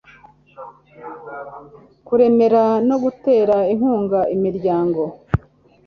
kuremera no gutera inkunga imiryango